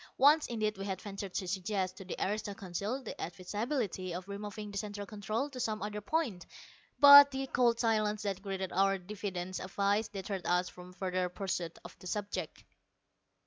Once indeed we had ventured to suggest to the aristo Council the advisability of removing the Central Control to some other point, but the cold silence that greeted our diffident advice deterred us from further pursuit of the subject.